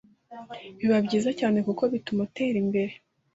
biba byiza cyane kuko bituma utera imbere